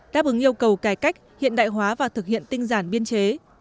đáp ứng yêu cầu cải cách hiện đại hóa và thực hiện tinh giản biên chế